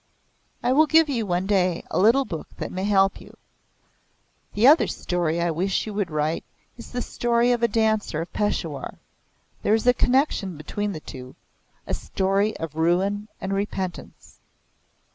"I will give you one day a little book that may help you. The other story I wish you would write is the story of a Dancer of Peshawar. There is a connection between the two a story of ruin and repentance."